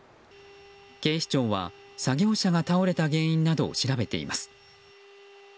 警視庁は作業車が倒れた原因などを調べています。